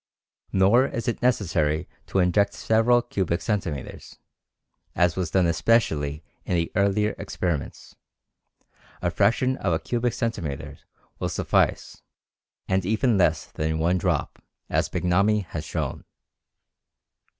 Nor is it necessary to inject several cubic centimeters, as was done especially in the earlier experiments; a fraction of a cubic centimeter will suffice, and even less than one drop, as Bignami has shown."